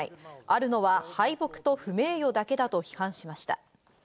あるのは敗北と不名誉だけだと批判しました。